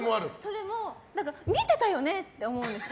それも、見てたよね？って思うんです。